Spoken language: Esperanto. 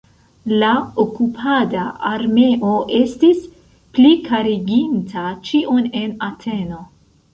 La okupada armeo estis plikariginta ĉion en Ateno.